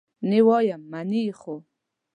نه یې وایم، منې خو؟